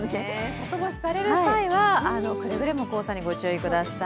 外干しする際はくれぐれも黄砂にご注意ください。